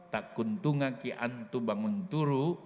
tak kuntunga ki antu bangun turu